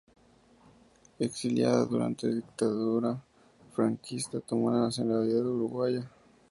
Exiliada durante la dictadura franquista, tomó la nacionalidad uruguaya.